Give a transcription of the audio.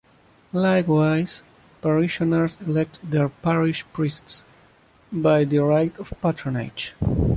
Likewise, parishioners elected their parish priests, by the right of patronage.